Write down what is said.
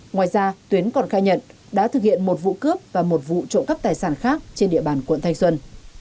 ngoài ra tuyến còn khai nhận đã thực hiện một vụ cướp và một vụ trộm cắp tài sản khác trên địa bàn quận thanh xuân